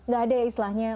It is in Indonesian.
gak ada ya islahnya